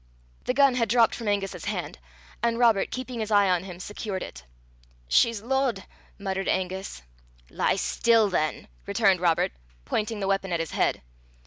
The gun had dropped from Angus's hand, and Robert, keeping his eye on him, secured it. "She's lodd," muttered Angus. "Lie still than," returned Robert, pointing the weapon at his head.